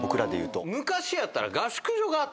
昔やったら。